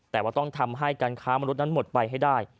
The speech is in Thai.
แต่ว่าต้องทำให้การค้ามนุษย์นั้นหมดไปให้ได้